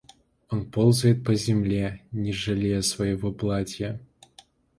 Он ползает по земле, не жалея своего платья.